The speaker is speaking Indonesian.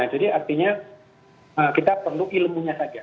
jadi artinya kita perlu ilmunya saja